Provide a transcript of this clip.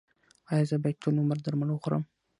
ایا زه باید ټول عمر درمل وخورم؟